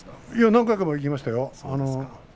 何回か、行きましたよ。